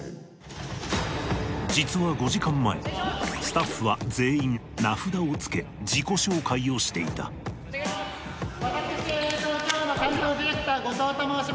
実は５時間前スタッフは全員名札をつけ自己紹介をしていた私担当ディレクター後藤と申します。